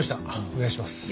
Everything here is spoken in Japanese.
お願いします。